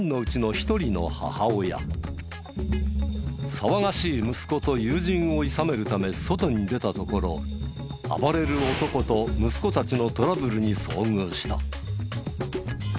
騒がしい息子と友人を諫めるため外に出たところ暴れる男と息子たちのトラブルに遭遇した。